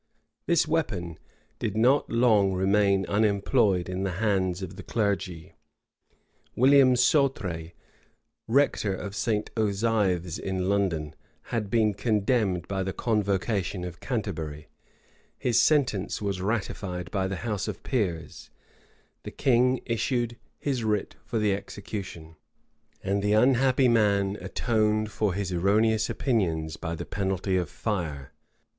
[*] This weapon did not long remain unemployed in the hands of the clergy: William Sautré, rector of St. Osithes in London, had been condemned by the convocation of Canterbury; his sentence was ratified by the house of peers; the king issued his writ for the execution; [] and the unhappy man atoned for his erroneous opinions by the penalty of fire.